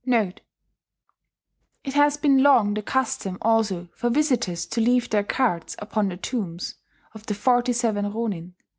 * [*It has been long the custom also for visitors to leave their cards upon the tombs of the Forty seven Ronin.